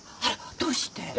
あらどうして。